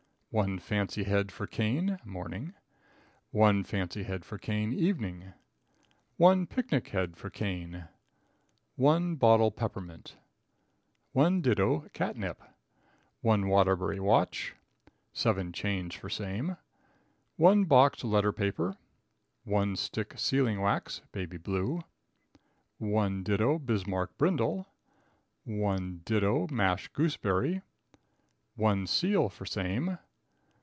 1 Fancy Head for Cane (morning). 1 Fancy Head for Cane (evening). 1 Picnic Head for Cane. 1 Bottle Peppermint. 1 do. Catnip. 1 Waterbury Watch. 7 Chains for same. 1 Box Letter Paper. 1 Stick Sealing Wax (baby blue). 1 do " (Bismarck brindle). 1 do " (mashed gooseberry). 1 Seal for same.